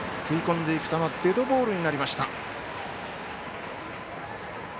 食い込んでいく球デッドボールになりました。